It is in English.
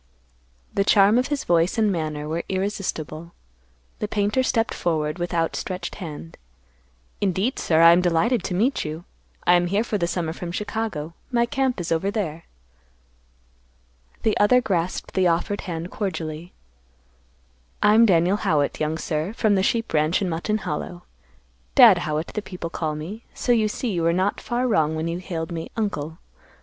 The charm of his voice and manner were irresistible. The painter stepped forward with outstretched hand, "Indeed, sir; I am delighted to meet you. I am here for the summer from Chicago. My camp is over there." The other grasped the offered hand cordially, "I am Daniel Howitt, young sir; from the sheep ranch in Mutton Hollow. Dad Howitt, the people call me. So you see you were not far wrong when you hailed me 'Uncle.